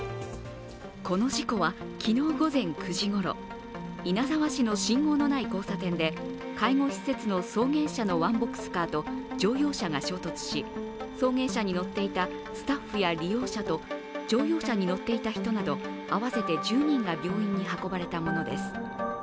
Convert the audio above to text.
この事故は昨日午前９時ごろ、稲沢市の信号のない交差点で介護施設の送迎車のワンボックスカーと乗用車が衝突し送迎車に乗っていたスタッフや利用者と乗用車に乗っていた人など合わせて１０人が病院に運ばれたものです。